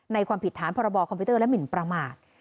ความผิดฐานพรบคอมพิวเตอร์และหมินประมาท